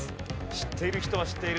知っている人は知っている。